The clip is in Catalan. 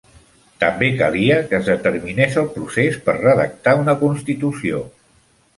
També calia que es determinés el procés per redactar una constitució.